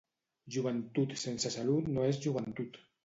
Joventut sense salut no és joventut.